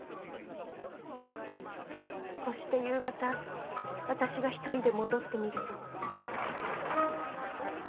そして夕方わたしが一人で戻ってみると。